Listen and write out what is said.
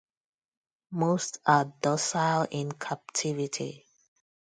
Most are docile in captivity.